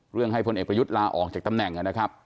ให้พลเอกประยุทธ์ลาออกจากตำแหน่งนะครับ